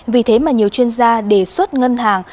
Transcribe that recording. vì thế mà nhiều chuyên gia đề xuất ngân hàng